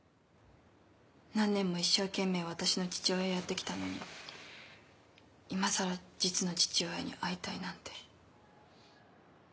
何年も一生懸命私の父親をやって来たのに今更実の父親に会いたいなんて。